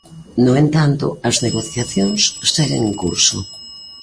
No entanto, as negociacións seguen en curso.